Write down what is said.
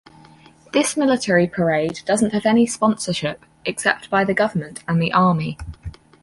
This military parade doesn't have any sponsorship except by the government and the Army.